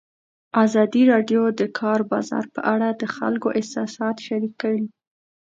ازادي راډیو د د کار بازار په اړه د خلکو احساسات شریک کړي.